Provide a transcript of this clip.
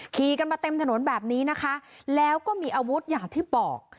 ขี่กันมาเต็มถนนแบบนี้นะคะแล้วก็มีอาวุธอย่างที่บอก